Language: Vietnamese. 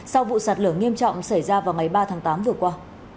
sau vụ sạt lở nghiêm trọng xảy ra vào ngày ba tháng tám vừa qua